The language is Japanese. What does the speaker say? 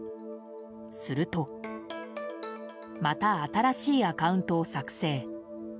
するとまた新しいアカウントを作成。